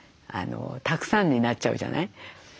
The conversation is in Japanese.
たくさんになっちゃうじゃない。